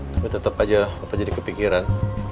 tapi tetep aja papa jadi kepikiran